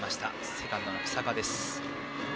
セカンドの日下。